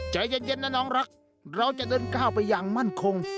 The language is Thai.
ใจเย็นนะน้องรักเราจะเดินก้าวไปอย่างมั่นคง